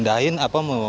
kadang kita juga mau makan